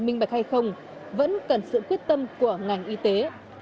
minh bạch hay không vẫn cần sự quyết tâm của ngành y tế